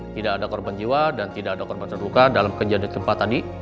tidak ada korban jiwa dan tidak ada korban terluka dalam kejadian gempa tadi